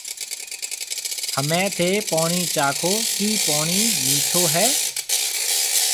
همَي ٿَي پوڻِي چاکو ڪِي پوڻِي مِٺو هيَ۔